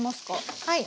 はい。